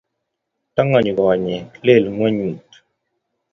Tongonyi konyek, lel ngwonyut